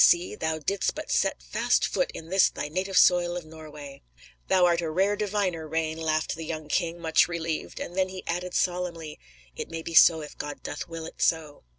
See; thou didst but set fast foot in this thy native soil of Norway." "Thou art a rare diviner, Rane," laughed the young king, much relieved, and then he added solemnly: "It may be so if God doth will it so."